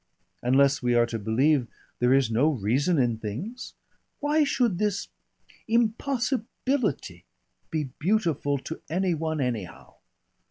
Unless we are to believe there is no reason in things, why should this impossibility, be beautiful to any one anyhow?